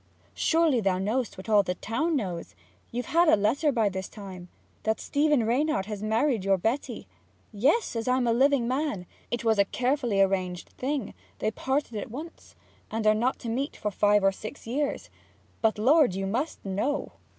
'Surely th'st know what all the town knows? you've had a letter by this time? that Stephen Reynard has married your Betty? Yes, as I'm a living man. It was a carefully arranged thing: they parted at once, and are not to meet for five or six years. But, Lord, you must know!'